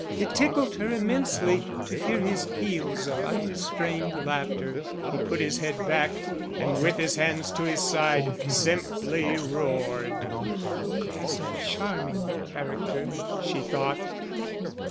It tickled her immensely to hear his peals of unrestrained laughter; he put his head back, and, with his hands to his sides, simply roared. "He has a charming character," she thought.